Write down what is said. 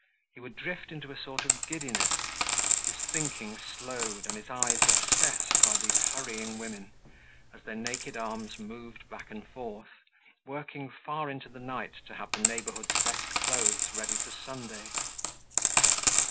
He would drift into a sort of giddiness, his thinking slowed and his eyes obsessed by these hurrying women as their naked arms moved back and forth, working far into the night to have the neighborhood's best clothes ready for Sunday.